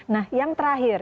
nah yang terakhir